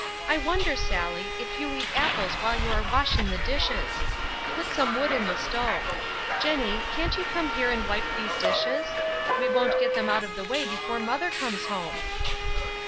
I wonder, Sallie, if you eat apples while you are washing the dishes! Put some wood in the stove. Jennie, can't you come here and wipe these dishes? We won't get them out of the way before mother comes home."